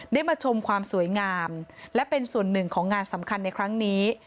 ได้มาชมความสวยงามและเป็นส่วนหนึ่งของงานสำคัญในครั้งนี้